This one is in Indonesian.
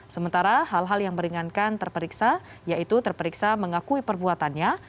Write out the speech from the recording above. sementara hal hal yang meringankan terperiksa yaitu terperiksa mengakui perbuatannya